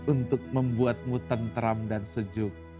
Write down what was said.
untuk membuatmu tentram dan sejuk